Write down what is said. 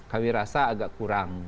kami rasa agak kurang